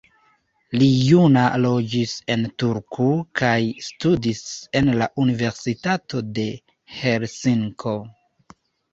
Li juna loĝis en Turku kaj studis en la Universitato de Helsinko.